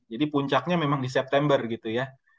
jadi puncaknya memang di september gitu ya